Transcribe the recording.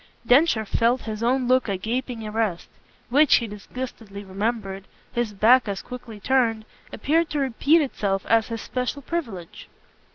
Densher felt his own look a gaping arrest which, he disgustedly remembered, his back as quickly turned, appeared to repeat itself as his special privilege.